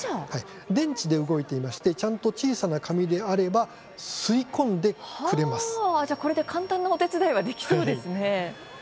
電池で動いていましてちゃんと小さな紙であればこれで簡単なお手伝いはできそうですね。